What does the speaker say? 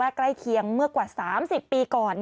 ใกล้เคียงเมื่อกว่า๓๐ปีก่อน